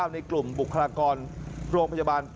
ในกลุ่มบุคลากรโรงพยาบาล